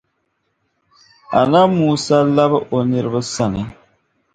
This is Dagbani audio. Annabi Musa labi o niriba sani